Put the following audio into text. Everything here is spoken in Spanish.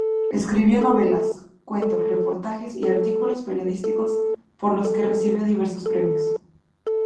Escribió novelas, cuentos, reportajes y artículos periodísticos por los que recibió diversos premios.